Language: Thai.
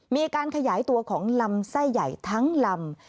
มีการขยายตัวของลำไส้ใหญ่ทั้งลำ